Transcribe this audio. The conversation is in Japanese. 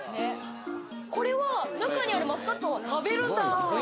これは中にあるマスカットは食べるんだ。